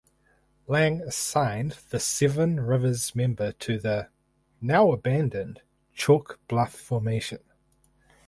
Lang assigned the Seven Rivers Member to the (now abandoned) Chalk Bluff Formation.